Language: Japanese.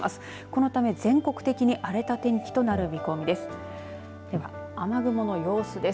このため全国的に荒れた天気となる見込みです。